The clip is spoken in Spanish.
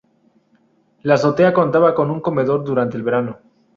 La azotea contaba con comedor durante el verano.